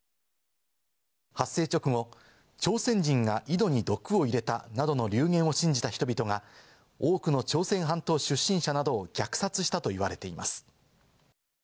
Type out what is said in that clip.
発生直後、朝鮮人が井戸に毒を入れたなどの流言を信じた人々が多くの朝鮮半島出身者などを虐殺したと言われています。